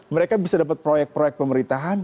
mereka bisa dapat proyek proyek pemerintahan